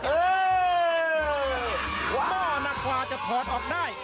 เออหม้อนะกว่าจะถอดออกได้